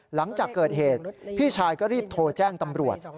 หลังจากเกิดเหตุพี่ชายก็รีบโทรแจ้งตำรวจ